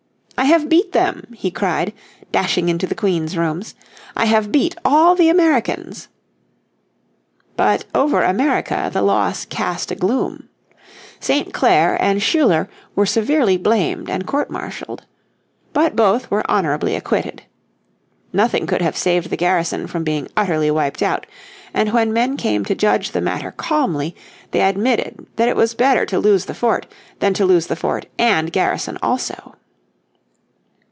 "I have beat them," he cried, dashing into the queen's rooms, "I have beat all the Americans." But over America the loss cast a gloom. St. Clair and Schuyler were severely blamed and court martialled. But both were honourably acquitted. Nothing could have saved the garrison from being utterly wiped out; and when men came to judge the matter calmly they admitted that it was better to lose the fort than to lose the fort and garrison also.